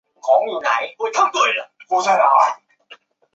表示仍在榜上